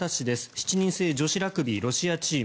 ７人制女子ラグビーのロシアチーム。